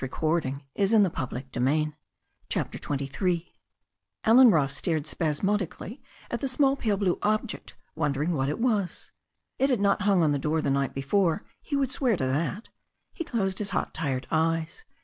We'll have to let the other chap know/' CHAPTER XXIII ALLEN ROSS stared spasmodically at the small pale blue object, wondering what it was. It had not hung on the door the night before, he would swear to that. He closed his hot tired eyes.